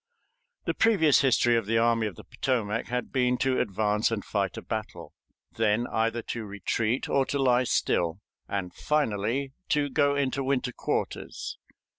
The previous history of the Army of the Potomac had been to advance and fight a battle, then either to retreat or to lie still, and finally to go into winter quarters.